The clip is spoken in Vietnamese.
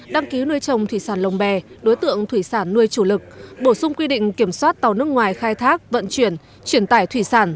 đăng ký nuôi trồng thủy sản lồng bè đối tượng thủy sản nuôi chủ lực bổ sung quy định kiểm soát tàu nước ngoài khai thác vận chuyển chuyển tải thủy sản